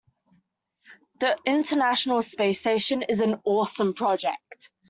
The international space station is an awesome project.